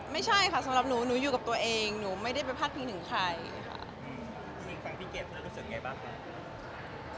ไม่ใช่ค่ะสำหรับหนูหนูอยู่กับตัวเองหนูไม่ได้ไปพัดพึ่งถึงใครค่ะ